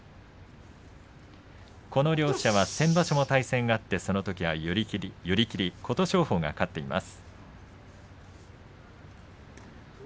この両者は先場所も対戦があってそのときは寄り切り琴勝峰が勝っています。